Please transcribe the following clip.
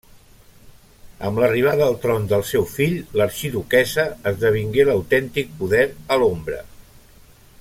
Amb l'arribada al tron del seu fill, l'arxiduquessa esdevingué l'autèntic poder a l'ombra.